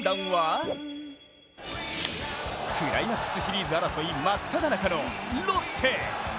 第３弾は、クライマックスシリーズ争い真っただ中のロッテ。